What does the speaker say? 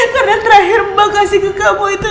karena terakhir mbak kasih ke kamu itu